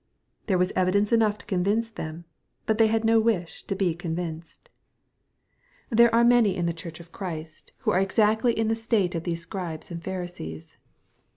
There was evidence enough to convince them, but they had no wish to be convinced. There are many in the Church of Christ, who are 136 EXPOSITORY THOUGHTS. exactly in the state of these Scribes and Pharisees.